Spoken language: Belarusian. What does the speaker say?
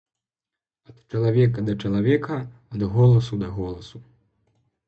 Ад чалавека да чалавека, ад голасу да голасу.